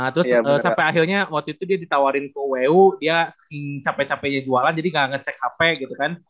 terus sampe akhirnya waktu itu dia ditawarin ke wu dia saking cape cape jualan jadi gak ngecek hp gitu kan